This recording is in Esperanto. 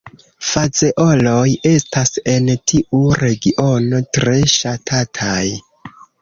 Fazeoloj estas en tiu regiono tre ŝatataj.